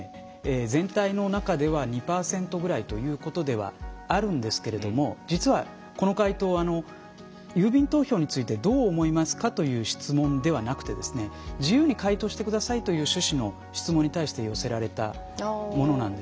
全体の中では２％ぐらいということではあるんですけれども実はこの回答「郵便投票についてどう思いますか？」という質問ではなくてですね「自由に回答して下さい」という趣旨の質問に対して寄せられたものなんですね。